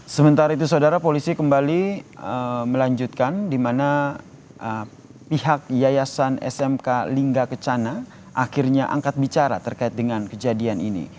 sementara itu saudara polisi kembali melanjutkan di mana pihak yayasan smk lingga kecana akhirnya angkat bicara terkait dengan kejadian ini